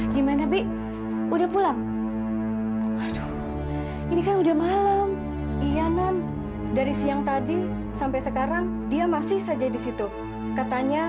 sampai jumpa di video selanjutnya